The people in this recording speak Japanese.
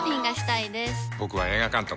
僕は映画監督。